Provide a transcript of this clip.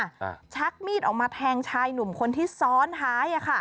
ชักมีดออกมาชักมีดออกมาแทงชายหนุ่มคนที่ซ้อนท้าย